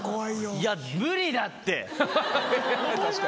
いや無理だって！